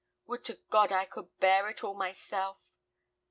"Would to God I could bear it all myself."